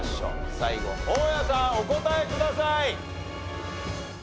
最後大家さんお答えください。